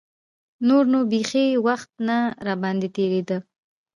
نور نو بيخي وخت نه راباندې تېرېده.